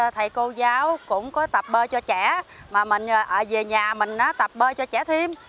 thầy cô giáo cũng có tập bơi cho trẻ mà mình về nhà mình tập bơi cho trẻ thêm